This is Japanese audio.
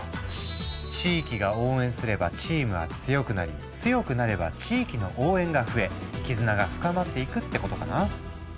地域が応援すればチームは強くなり強くなれば地域の応援が増え絆が深まっていくってことかな。